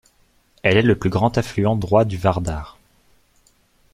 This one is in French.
Elle est le plus grand affluent droit du Vardar.